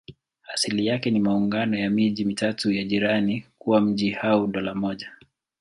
Asili yake ni maungano ya miji mitatu ya jirani kuwa mji au dola moja.